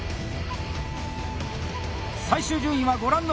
最終順位はご覧のとおり。